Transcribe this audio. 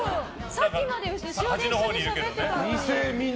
さっきまで後ろで一緒にしゃべってたのに。